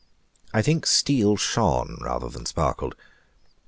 I think Steele shone rather than sparkled.